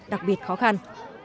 thì khó khăn